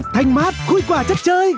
thành mát khui quả chất chơi